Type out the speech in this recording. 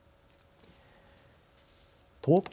東京